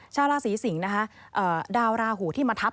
ชาวราศรีสิงก็คือดาวราหูที่มาทับ